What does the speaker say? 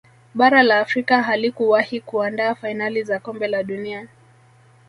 bara la Afrika halikuwahi kuandaa fainali za kombe la dunia